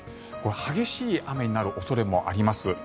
激しい雨になる恐れもあります。